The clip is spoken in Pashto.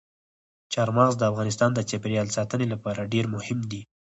چار مغز د افغانستان د چاپیریال ساتنې لپاره ډېر مهم دي.